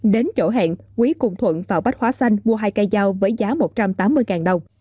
đến chỗ hẹn quý cùng thuận vào bách hóa xanh mua hai cây dao với giá một trăm tám mươi đồng